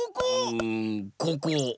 うんここ！